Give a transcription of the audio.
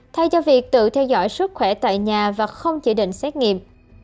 thay cho việc tự theo dõi sức khỏe tại nhà và không chỉ định xét nghiệm